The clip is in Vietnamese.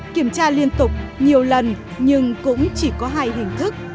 kiểm tra liên tục nhiều lần nhưng cũng chỉ có hai hình thức